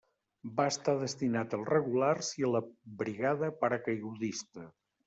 Va estar destinat als Regulars i a la Brigada Paracaigudista.